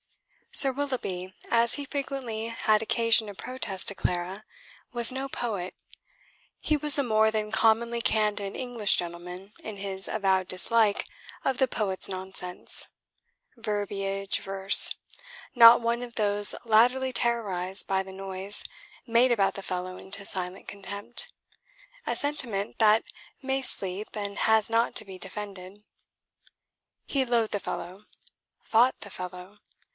Sir Willoughby, as he frequently had occasion to protest to Clara, was no poet: he was a more than commonly candid English gentleman in his avowed dislike of the poet's nonsense, verbiage, verse; not one of those latterly terrorized by the noise made about the fellow into silent contempt; a sentiment that may sleep, and has not to be defended. He loathed the fellow, fought the fellow.